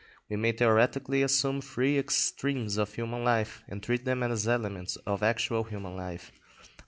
We may theoretically assume three extremes of human life, and treat them as elements of actual human life.